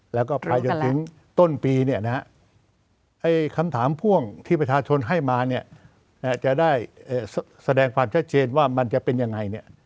แล้วก็ไปจนถึงต้นปีเนี่ยนะฮะคำถามพ่วงที่ประชาชนให้มาเนี่ยจะได้แสดงความชัดเจนว่ามันจะเป็นยังไงเนี่ย